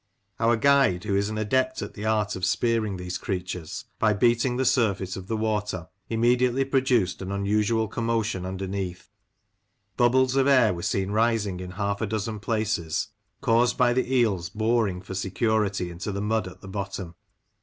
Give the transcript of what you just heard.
Our guide, who is an adept in the art of spearing these creatures, by beating the surface of the water, immediately produced an unusual commotion underneath ; bubbles of air were seen rising in half a dozen places, caused by the eels boring for security into the mud at the bottom.